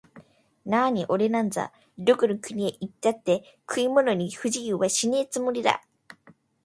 なあにおれなんざ、どこの国へ行ったって食い物に不自由はしねえつもりだ